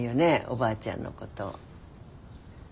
おばあちゃんのこと。